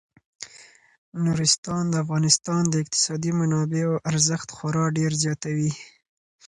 نورستان د افغانستان د اقتصادي منابعو ارزښت خورا ډیر زیاتوي.